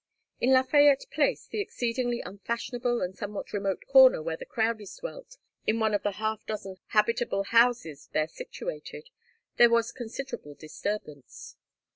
In Lafayette Place, the exceedingly unfashionable and somewhat remote corner where the Crowdies dwelt in one of the half dozen habitable houses there situated, there was considerable disturbance.